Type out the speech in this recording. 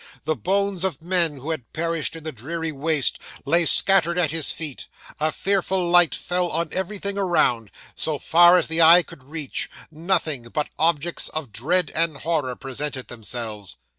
The bones of men, who had perished in the dreary waste, lay scattered at his feet; a fearful light fell on everything around; so far as the eye could reach, nothing but objects of dread and horror presented themselves.